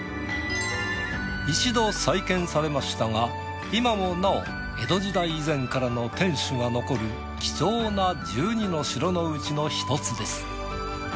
一度再建されましたが今もなお江戸時代以前からの天守が残る貴重な１２の城のうちのひとつです。